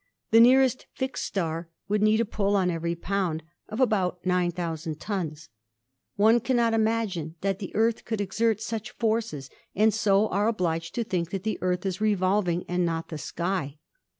The nearest fixed star would need a pull on every pound, of about 9,000 tons. One cannot imagine that the Earth could exert such forces and so. are obliged to think that the Earth is revolv ing and not the sky.